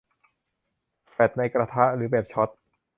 แฟลชในกระทะหรือแบบช็อต